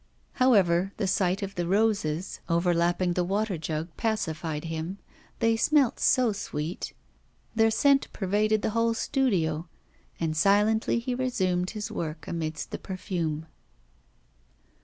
However, the sight of the roses, overlapping the water jug, pacified him; they smelt so sweet. Their scent pervaded the whole studio, and silently he resumed his work amidst the perfume.